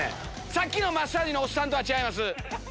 さっきのマッサージのおっさんとは違います